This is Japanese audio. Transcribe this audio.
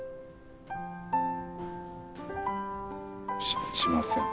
ししません。